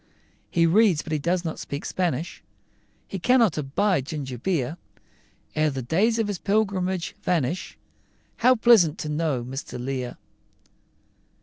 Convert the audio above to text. He reads, but he cannot speak, Spanish, He cannot abide ginger beer: Ere the days of his pilgrimage vanish, How pleasant to know Mr. Lear!